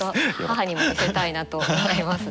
母にも見せたいなと思います。